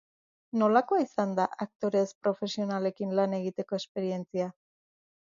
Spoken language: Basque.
Nolakoa izan da aktore ez-profesionalekin lan egiteko esperientzia?